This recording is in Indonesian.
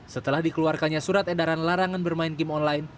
setelah dikeluarkannya surat edaran larangan bermain game online